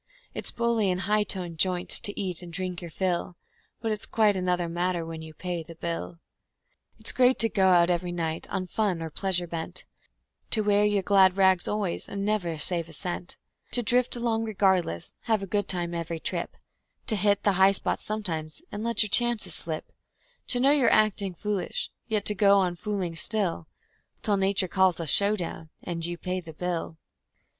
It's bully in a high toned joint to eat and drink your fill, But it's quite another matter when you Pay the bill. It's great to go out every night on fun or pleasure bent; To wear your glad rags always and to never save a cent; To drift along regardless, have a good time every trip; To hit the high spots sometimes, and to let your chances slip; To know you're acting foolish, yet to go on fooling still, Till Nature calls a show down, and you Pay the bill.